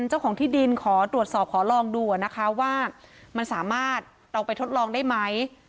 เจ้าของที่ดินขอตรวจสอบขอลองดูนะคะว่ามันสามารถเราไปทดลองได้ไหม